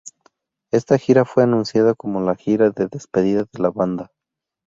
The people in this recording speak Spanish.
Esta gira fue anunciada como la gira de despedida de la banda.